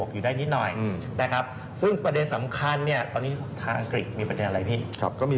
ถูกต้อง